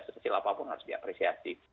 sesisilapapun harus diapresiasi